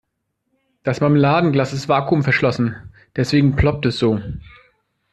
Das Marmeladenglas ist vakuumverschlossen, deswegen ploppt es so.